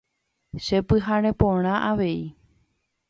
Chepyhare porã avei.